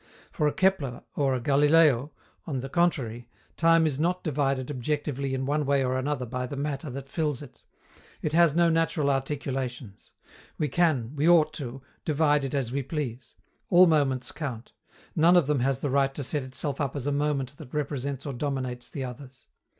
For a Kepler or a Galileo, on the contrary, time is not divided objectively in one way or another by the matter that fills it. It has no natural articulations. We can, we ought to, divide it as we please. All moments count. None of them has the right to set itself up as a moment that represents or dominates the others.